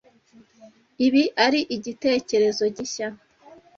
Ibi ari igitekerezo gishya.